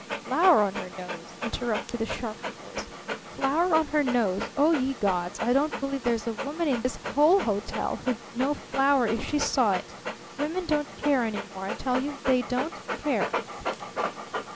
"Flour on her nose?" interrupted the sharper voice. "Flour on her nose? Oh, ye gods! I don't believe there's a woman in this whole hotel who'd know flour if she saw it! Women don't care any more, I tell you! They don't care!"